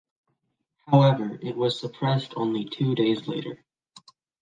However, it was suppressed only two days later.